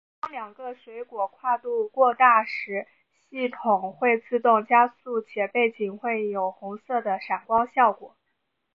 当两个水果跨度过大时系统会自动加速且背景会有红色的闪光效果。